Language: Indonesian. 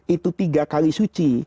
itu tiga kali suci